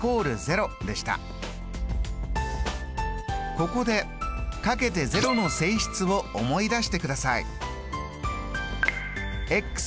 ここでかけて０の性質を思い出してください。